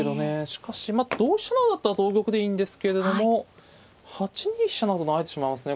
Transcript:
しかし同飛車成だったら同玉でいいんですけれども８二飛車成と成られてしまいますね